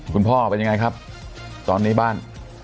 คุณพ่อเป็นยังไงครับตอนนี้บ้าน